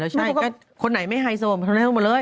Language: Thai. เฉลี่ยแล้วช่างไหนไม่ไฮโซมันทำให้ซักทีหมดเลย